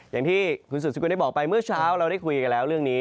อย่างที่คุณสุดสกุลได้บอกไปเมื่อเช้าเราได้คุยกันแล้วเรื่องนี้